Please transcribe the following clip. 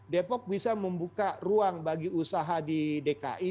depok bisa membuka ruang bagi usaha di dki